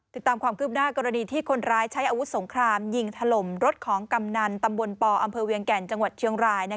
ติดตามความคืบหน้ากรณีที่คนร้ายใช้อาวุธสงครามยิงถล่มรถของกำนันตำบลปอำเภอเวียงแก่นจังหวัดเชียงราย